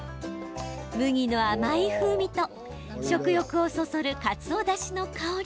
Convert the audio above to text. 麦の甘い風味と食欲をそそるかつおだしの香り。